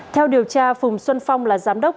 theo điều tra phùng xuân phong là giám đốc